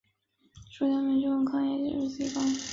数点民众这件事发生于旷野之南及迦南之东的一处地方。